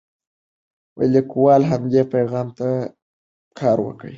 لیکوال همدې پیغام ته کار کوي.